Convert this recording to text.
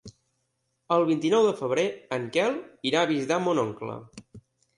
El vint-i-nou de febrer en Quel irà a visitar mon oncle.